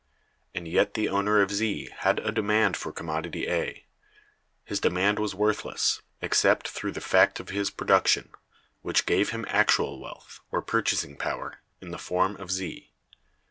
And yet the owner of Z had a demand for commodity A; his demand was worthless, except through the fact of his production, which gave him actual wealth, or purchasing power, in the form of Z.